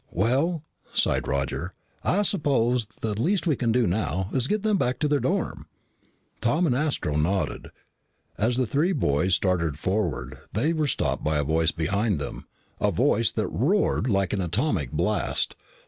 "Well," sighed Roger, "I suppose that the least we can do now is get them back to their dorm." Tom and Astro nodded. As the three boys started forward they were stopped by a voice behind them a voice that roared like an atomic blast.